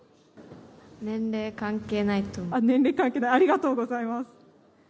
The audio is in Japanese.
年齢関係ない？ありがとうございます。